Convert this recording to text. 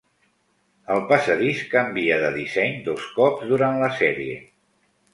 El passadís canvia de disseny dos cops durant la sèrie.